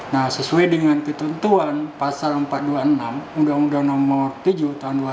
nah sesuai dengan ketentuan pasal empat ratus dua puluh enam undang undang nomor tujuh tahun dua ribu dua